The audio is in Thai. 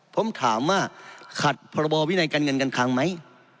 ผมถามว่าขัดพรบวินัยการเงินการคลังไหม